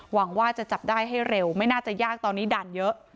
หวังว่าจะจับได้ให้เร็วไม่น่าจะยากตอนนี้ด่านเยอะ